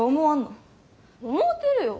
思うてるよ。